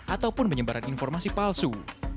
ataupun penyebaran informasi palsu